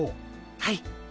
はい。